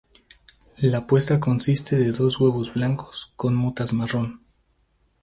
La puesta consiste de dos huevos blancos con motas marrón.